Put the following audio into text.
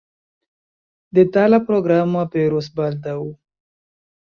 Detala programo aperos baldaŭ.